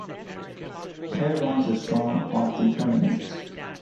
Pair bonds are strong, often permanent.